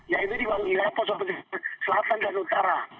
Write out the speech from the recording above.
yaitu di wilayah poso pesisir selatan dan utara